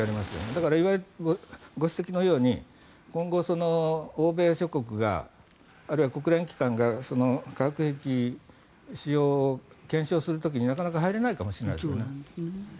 だから、ご指摘のように今後、欧米諸国があるいは国連機関が化学兵器使用を検証する時になかなか入れないかもしれないですよね。